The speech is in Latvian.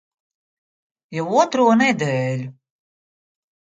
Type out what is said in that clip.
Jau otro nedēļu.